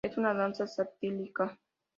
Es una danza satírica.